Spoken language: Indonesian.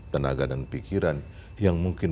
tenaga dan pikiran yang mungkin